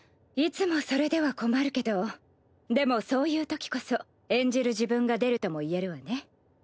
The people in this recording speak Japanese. いつもそれでは困るけどでもそういうときこそ演じる自分が出るともいえるわね。